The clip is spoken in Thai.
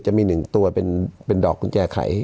จะมีหนึ่งตัวเป็นดอกกุญแจไขย